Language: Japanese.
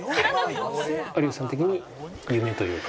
有吉さん的に夢というか。